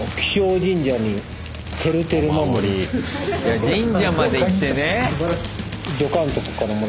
神社まで行ってね。